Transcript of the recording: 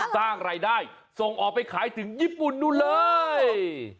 สร้างรายได้ส่งออกไปขายถึงญี่ปุ่นนู้นเลย